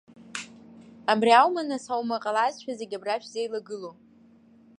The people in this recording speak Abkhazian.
Абри аума, нас, аума ҟалазшәа зегьы абра шәзеилагылоу?